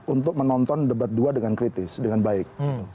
untuk menonton debat dua dengan kritis dengan baik